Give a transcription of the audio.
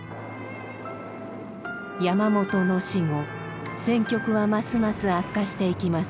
山本の死後戦局はますます悪化していきます。